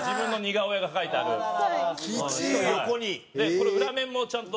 これ裏面もちゃんと。